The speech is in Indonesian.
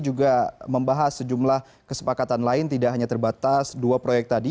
juga membahas sejumlah kesepakatan lain tidak hanya terbatas dua proyek tadi